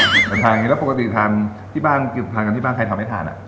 แต่ทานอย่างนี้แล้วปกติทานที่บ้านทานกันที่บ้านใครทำให้ทานอ่ะ